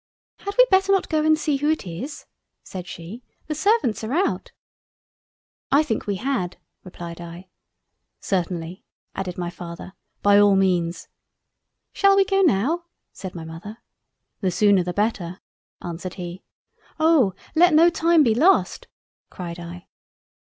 "Had we better not go and see who it is? (said she) the servants are out." "I think we had." (replied I.) "Certainly, (added my Father) by all means." "Shall we go now?" (said my Mother,) "The sooner the better." (answered he.) "Oh! let no time be lost" (cried I.)